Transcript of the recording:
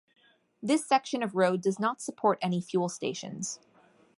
This section of road does not support any fuel stations.